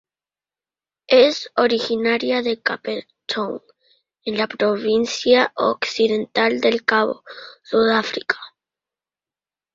Es originaria de Cape Town, en la Provincia Occidental del Cabo, Sudáfrica.